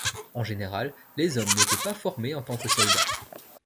En général, les hommes n'étaient pas formés en tant que soldats.